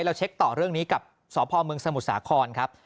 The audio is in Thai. เราเช็คต่อเรื่องนี้กับสพเมืองสมุทรสาครครับ